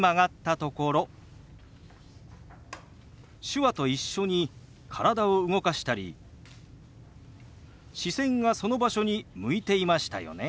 手話と一緒に体を動かしたり視線がその場所に向いていましたよね。